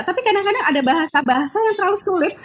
tapi kadang kadang ada bahasa bahasa yang terlalu sulit